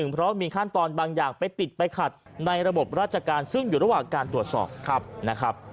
เพราะมีขั้นตอนบางอย่างไปติดไปขัดในระบบราชการซึ่งอยู่ระหว่างการตรวจสอบนะครับ